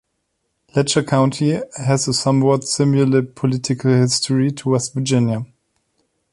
Letcher County has a somewhat similar political history to West Virginia.